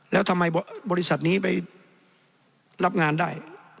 แล้วทำไมบริษัทนี้ไปรับงานได้